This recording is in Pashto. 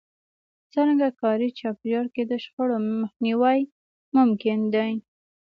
څرنګه کاري چاپېريال کې د شخړو مخنيوی ممکن دی؟